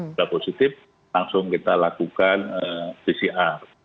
sudah positif langsung kita lakukan pcr